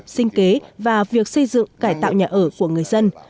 sinh kế và việc xây dựng cải tạo nhà ở của người dân